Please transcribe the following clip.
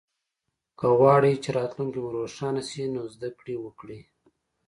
که غواړی چه راتلونکې مو روښانه شي نو زده ګړې وکړئ